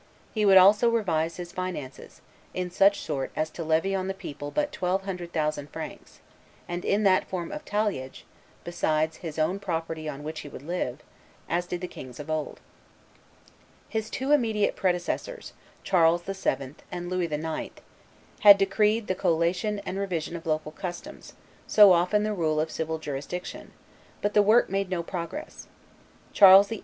He would also revise his finances, in such sort as to levy on the people but twelve hundred thousand francs, and that in form of talliage, besides his own property on which he would live, as did the kings of old." His two immediate predecessors, Charles VII. and Louis IX., had decreed the collation and revision of local customs, so often the rule of civil jurisdiction; but the work made no progress: Charles VIII.